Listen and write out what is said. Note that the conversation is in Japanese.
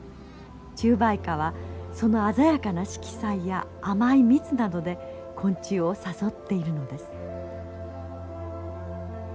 虫媒花はその鮮やかな色彩や甘い蜜などで昆虫を誘っているのです。